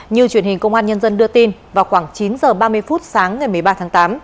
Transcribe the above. như truyền hình công an nhân dân đưa tin vào khoảng chín h ba mươi phút sáng ngày một mươi ba tháng tám